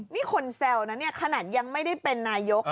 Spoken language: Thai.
นี่คนเศลนะเนี้ยยังไม่ได้เป็นนายก